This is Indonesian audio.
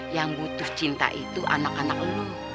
yang butuh cinta itu anak anak lu